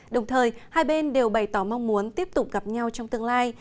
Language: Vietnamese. đồng thời hai bên đều bày tỏ mong muốn tiếp tục gặp nhau trong tương lai